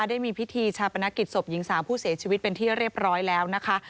ได้มีพิธีชาปนกิจศพหญิงสาวผู้เสียชีวิตเป็นที่เรียบร้อยแล้วนะคะ